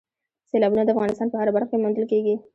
سیلابونه د افغانستان په هره برخه کې موندل کېږي.